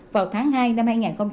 vào tháng hai năm hai nghìn hai mươi